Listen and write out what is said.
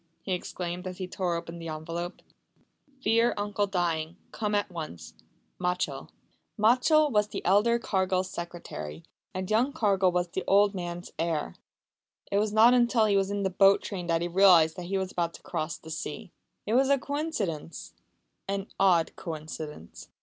he exclaimed, as he tore open the envelope. "Fear uncle dying. Come at once. Machell." Machell was the elder Cargill's secretary, and young Cargill was the old man's heir. It was not until he was in the boat train that he realised that he was about to cross the sea. It was a coincidence an odd coincidence.